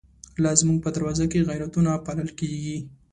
لا زمونږ په دروازو کی، غیرتونه پا لل کیږی